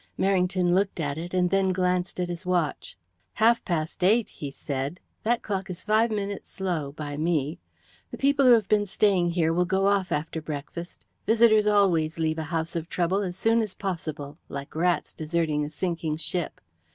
Merrington looked at it, and then glanced at his watch. "Half past eight!" he said. "That clock is five minutes slow by me. The people who have been staying here will go off after breakfast. Visitors always leave a house of trouble as soon as possible like rats deserting a sinking ship.